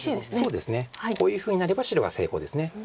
そうですねこういうふうになれば白が成功です。